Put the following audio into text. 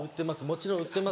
売ってます